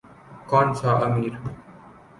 کون سا امیر۔